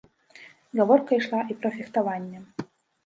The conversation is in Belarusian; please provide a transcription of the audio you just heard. Гаворка ішла і пра фехтаванне.